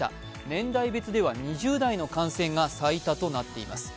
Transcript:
年代別では２０代の感染が最多となっています。